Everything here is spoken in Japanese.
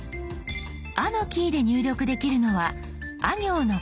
「あ」のキーで入力できるのはあ行の５文字。